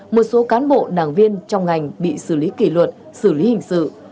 một số cán bộ đảng viên trong ngành bị xử lý kỷ luật xử lý hình sự